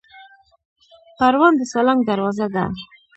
پروان د سالنګ دروازه ده